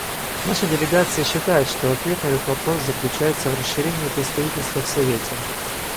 Наша делегация считает, что ответ на этот вопрос заключается в расширении представительства в Совете.